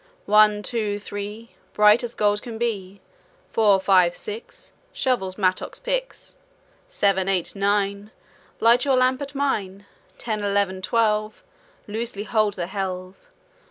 One, two, three Bright as gold can be! Four, five, six Shovels, mattocks, picks! Seven, eight, nine Light your lamp at mine. Ten, eleven, twelve Loosely hold the helve.